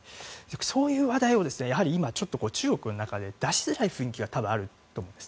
そういう話題を今、中国の中で出しづらい雰囲気が多分あると思うんです。